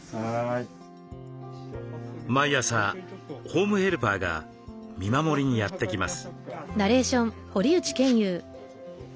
毎朝ホームヘルパーが見守りにやって来ます。